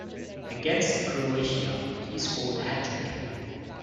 Against Croatia, he scored a hat-trick.